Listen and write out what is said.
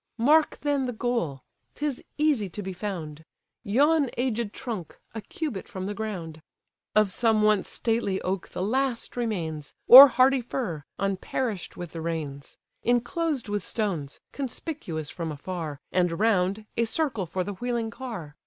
Mark then the goal, 'tis easy to be found; Yon aged trunk, a cubit from the ground; Of some once stately oak the last remains, Or hardy fir, unperish'd with the rains: Inclosed with stones, conspicuous from afar; And round, a circle for the wheeling car.